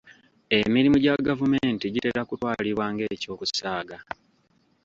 Emirimu gya gavumenti gitera kutwalibwa ng'eky'okusaaga.